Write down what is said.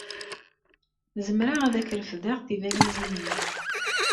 Zemreɣ ad ak-refdeɣ tibalizin-nnek.